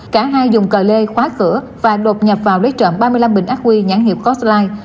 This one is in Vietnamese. cả hai dùng cờ lê khóa cửa và đột nhập vào lấy trộm ba mươi năm bình ác quy nhãn hiệu costline